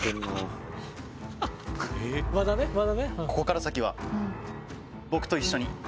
ここから先は、僕と一緒に。